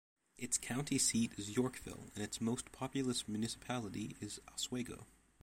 Its county seat is Yorkville, and its most populous municipality is Oswego.